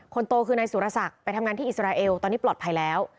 คนโตคือนายสุรศักดิ์ไปทำงานที่อิสราเอลตอนนี้ปลอดภัยแล้ว